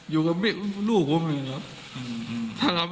อยู่กับลูกผมถ้าเขาไม่เอานะแต่ทำไมเขาไม่กลับกับผม